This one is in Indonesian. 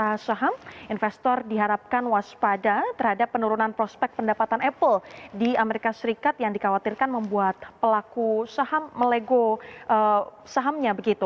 sejak tahun dua ribu tujuh belas investor diharapkan waspada terhadap penurunan prospek pendapatan apple di as yang dikhawatirkan membuat pelaku saham melego sahamnya